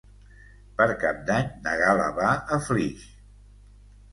Per Cap d'Any na Gal·la va a Flix.